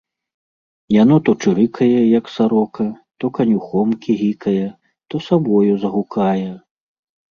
Яна то чырыкае, як сарока, то канюхом кігікае, то савою загукае.